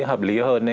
hợp lý hơn